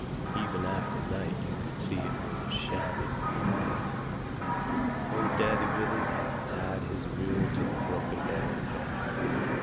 Even after night you could see it was a shabby looking little place. Old Daddy Withers tied his mule to the broken down fence.